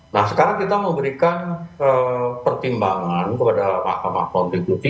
nah sekarang kita memberikan pertimbangan kepada mahkamah konstitusi